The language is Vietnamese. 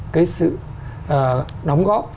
cái sự đóng góp